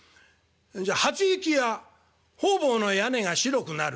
じゃ『初雪や方々の屋根が白くなる』」。